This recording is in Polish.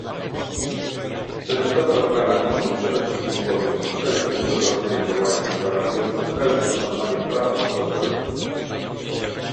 Przedmiotowe organy muszą przede wszystkim podjąć wszelkie uzasadnione działania gwarantujące pełne poszanowanie praw pasażerów